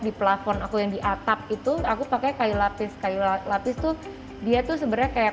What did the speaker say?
di plafon aku yang di atap itu aku pakai kayu lapis kayu lapis tuh dia tuh sebenarnya kayak